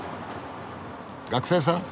学生さん？